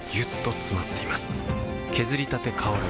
削りたて香る